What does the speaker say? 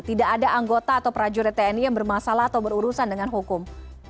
tidak ada anggota atau prajurit tni yang bermasalah atau berurusan dengan hukum